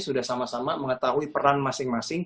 sudah sama sama mengetahui peran masing masing